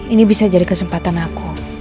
ini bisa jadi kesempatan aku